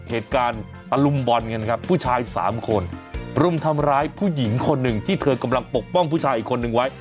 เหตุการณ์ตะลุมบอลกันครับผู้ชายสามคนรุมทำร้ายผู้หญิงคนหนึ่งที่เธอกำลังปกป้องผู้ชายอีกคนนึงไว้